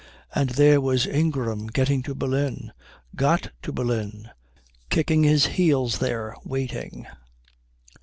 And there was Ingram getting to Berlin, got to Berlin, kicking his heels there waiting....